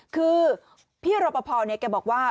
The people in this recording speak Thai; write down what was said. คือพี่รปภเนี่ยแกบอกว่า